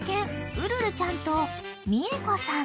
ウルルちゃんと美恵子さん］